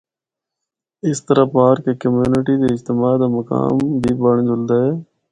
اس طرح پارک ہک کمیونٹی دے اجتماع دا مقام بھی بنڑ جلدا ہے۔